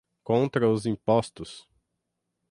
Contra os Impostos